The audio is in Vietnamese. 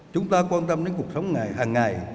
chúng ta quan tâm đến cuộc sống hàng ngày